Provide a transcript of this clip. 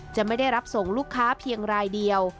จะไม่ได้รับส่งลูกค้าเพียงรายเดียว